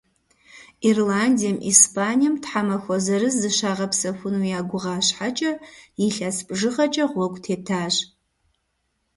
Ирландием, Испанием тхьэмахуэ зырыз зыщагъэпсэхуну я гугъа щхьэкӏэ, илъэс бжыгъэкӏэ гъуэгу тетащ.